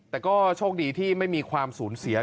แต่ก็โชคดีที่ไม่มีความสูญเสีย